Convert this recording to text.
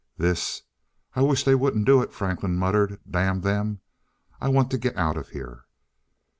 "This I wish they wouldn't do it," Franklin muttered. "Damn them I want to get out of here."